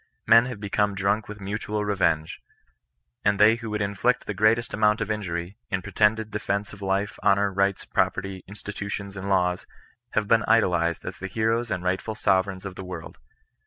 Men have become drunk with mutual revenge; and they who could inflict the greatest amount of injury, in pretended defence of life, honour, rights, property, institutions, and laws, have been idolized as the heroes and rightful sove reigns of the world.